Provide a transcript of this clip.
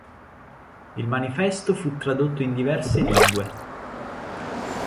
Il manifesto fu tradotto in diverse lingue.